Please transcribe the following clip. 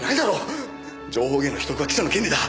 情報源の秘匿は記者の権利だ。